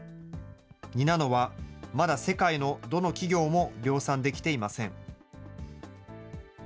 ２ナノは、まだ世界のどの企業も量産できていません。